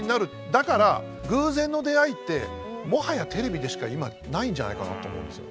だから偶然の出会いってもはやテレビでしか今ないんじゃないかなと思うんですよ。